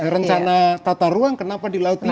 rencana tata ruang kenapa di laut ini